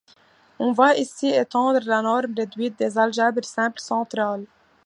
On va ici étendre la norme réduite des algèbres simples centrales.